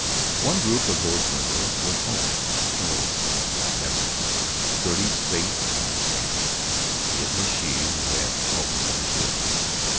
One group of those windows was home—Joralemon and memories, Gertie's faith and understanding.... It was she who had always understood him....